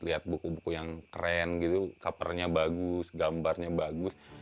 lihat buku buku yang keren gitu kapernya bagus gambarnya bagus